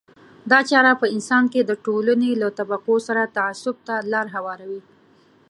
دا چاره په انسان کې د ټولنې له طبقو سره تعصب ته لار هواروي.